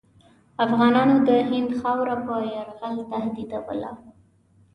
افغانانو د هند خاوره په یرغل تهدیدوله.